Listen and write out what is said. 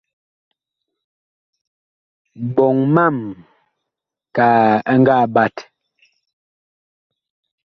Ɓoŋ mam kaa ɛ ngaa ɓat.